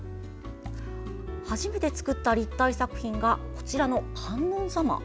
初めて作った立体作品がこちらの観音様。